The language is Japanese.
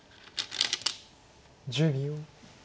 １０秒。